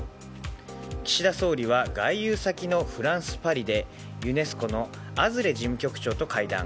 岸田総理は外遊先のフランス・パリでユネスコのアズレ事務局長と会談。